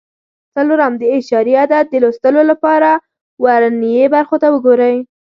څلورم: د اعشاري عدد د لوستلو لپاره ورنیي برخو ته وګورئ.